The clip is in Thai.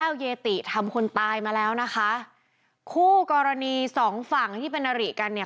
เยติทำคนตายมาแล้วนะคะคู่กรณีสองฝั่งที่เป็นอริกันเนี่ย